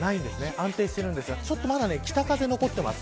安定しているんですがまだ北風が残っています。